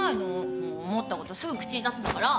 もう思ったことすぐ口に出すんだから。